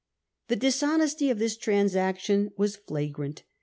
The dishonesty of this transaction was flagrant.